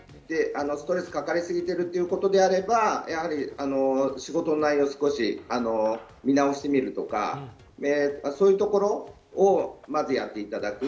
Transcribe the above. ストレスかかりすぎてるということであれば、仕事の内容を少し見直してみるとか、そういうところをまずやっていただく。